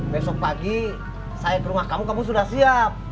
besok pagi saya ke rumah kamu kamu sudah siap